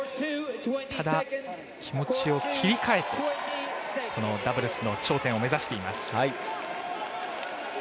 ただ、気持ちを切り替えてダブルスの頂点を目指しています。